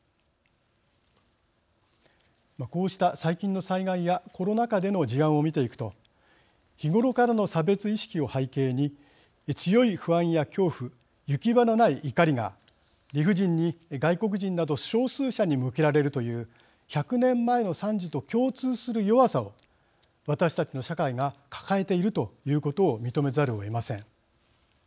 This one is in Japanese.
こうした最近の災害やコロナ禍での事案を見ていくと日頃からの差別意識を背景に強い不安や恐怖行き場のない怒りが理不尽に外国人など少数者に向けられるという１００年前の惨事と共通する弱さを私たちの社会が抱えているということを認めざるをえません。